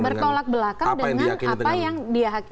bertolak belakang dengan apa yang diakini dengan